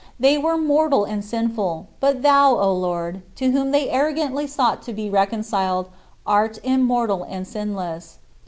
They were mortal and sinful, but thou, O Lord, to whom they arrogantly sought to be reconciled, art immortal and sinless.